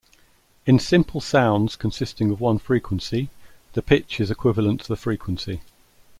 In simple sounds consisting of one frequency, the pitch is equivalent to the frequency.